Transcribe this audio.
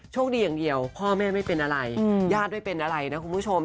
ดีอย่างเดียวพ่อแม่ไม่เป็นอะไรญาติไม่เป็นอะไรนะคุณผู้ชม